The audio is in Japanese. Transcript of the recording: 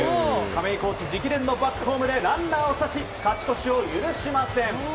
亀井コーチ直伝のバックホームでランナーを刺し勝ち越しを許しません。